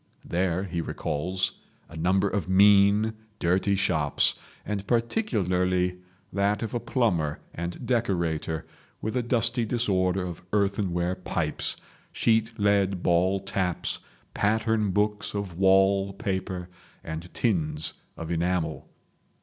There he recalls a number of mean, dirty shops, and particularly that of a plumber and decorator, with a dusty disorder of earthenware pipes, sheet lead ball taps, pattern books of wall paper, and tins of enamel.